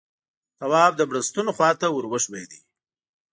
تواب د بړستنو خواته ور وښويېد.